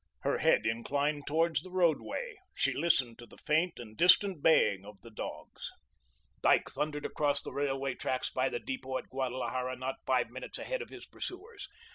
Her head inclined towards the roadway, she listened to the faint and distant baying of the dogs. Dyke thundered across the railway tracks by the depot at Guadalajara not five minutes ahead of his pursuers.